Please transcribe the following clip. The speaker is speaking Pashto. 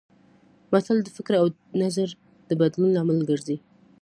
متل د فکر او نظر د بدلون لامل ګرځي